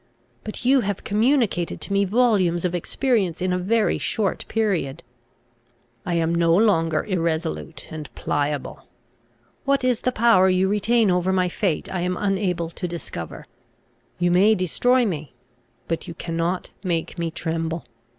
But you have communicated to me volumes of experience in a very short period. I am no longer irresolute and pliable. What is the power you retain over my fate I am unable to discover. You may destroy me; but you cannot make me tremble.